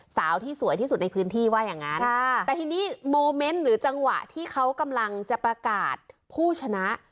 สาวที่สวยที่สุดในพื้นที่ว่าอย่างนั้นแต่ทีนี้โมเมนต์หรือจังหวะที่เขากำลังจะประกาศผู้ชนะ